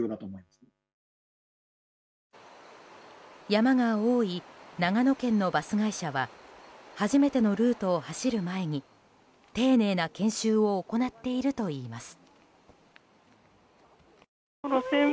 山が多い長野県のバス会社は初めてのルートを走る前に丁寧な研修を行っているといいます。